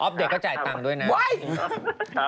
ออปเดตก็จ่ายตังค์ด้วยนะ